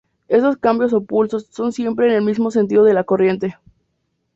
Estos cambios o pulsos son siempre en el mismo sentido de la corriente.